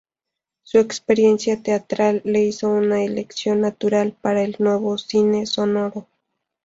Su experiencia teatral le hizo una elección natural para el nuevo cine sonoro.